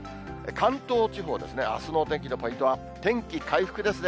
関東地方ですね、あすのお天気のポイントは、天気回復ですね。